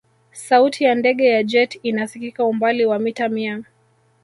sauti ya ndege ya jet ina sikika umbali wa mita mia